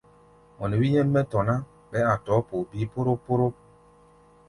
Mɔ nɛ wí nyɛ́m mɛ́ tɔ̧ ná, ɓɛɛ́ a̧ tɔ̧ɔ̧́ poo bíí póróp-póróp.